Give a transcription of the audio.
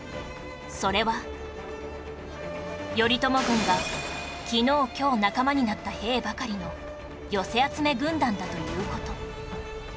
それは頼朝軍が昨日今日仲間になった兵ばかりの寄せ集め軍団だという事